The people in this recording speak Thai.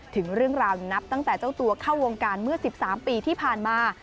ถึงเรื่องราวนับตั้งแต่เจ้าตัวเข้าวงการเมื่อ๑๓ปีที่ผ่านมา